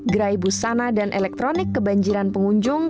gerai busana dan elektronik kebanjiran pengunjung